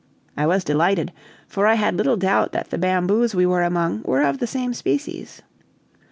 I was delighted, for I had little doubt that the bamboos we were among were of the same species.